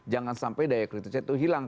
jangan sampai daya kritisnya itu hilang